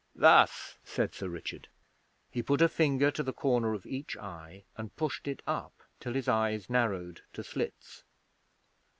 'Thus,' said Sir Richard. He put a finger to the corner of each eye, and pushed it up till his eyes narrowed to slits.